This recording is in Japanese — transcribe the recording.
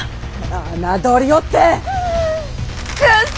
侮りおってくっ